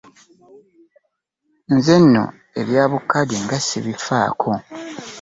Nze nno ebya bu kkaadi nga sibifaako.